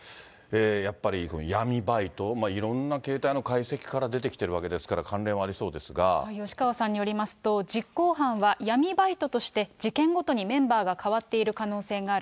やっぱり闇バイト、いろんな携帯の解析から出ているわけです吉川さんによりますと、実行犯は闇バイトとして事件ごとにメンバーが変わっている可能性がある。